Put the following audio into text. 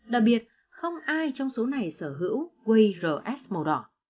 đặc biệt không ai trong số này sở hữu quây rs màu đỏ